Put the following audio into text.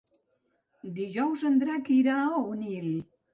Dijous en Drac irà a Onil.